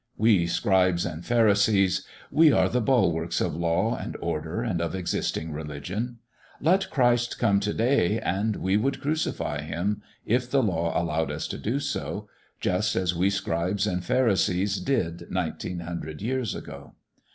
We scribes and pharisees we are the bulwarks of law and order and of existing religion. Let Christ come to day and we would crucify Him if the law allowed us to do so just as we scribes and pharisees did nineteen hundred years ago.